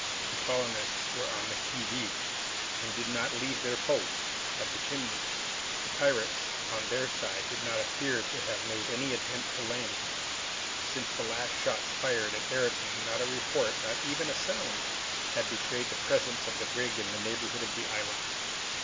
The colonists were on the qui vive, and did not leave their post at the Chimneys. The pirates, on their side, did not appear to have made any attempt to land. Since the last shots fired at Ayrton not a report, not even a sound, had betrayed the presence of the brig in the neighborhood of the island.